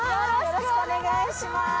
よろしくお願いします。